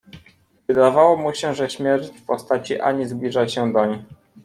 Wydawało mu się, że śmierć w postaci Anii zbliża się doń.